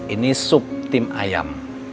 ini sup tim ayam